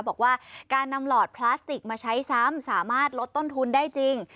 บอกว่าการนำหลอดพลาสติกมาใช้ซ้ำสามารถลดต้นทุนได้จริง